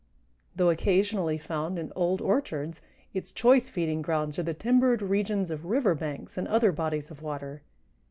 Though occasionally found in old orchards, its choice feeding grounds are the timbered regions of river banks and other bodies of water.